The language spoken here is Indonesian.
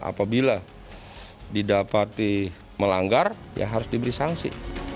apabila didapati melanggar ya harus diberi sanksi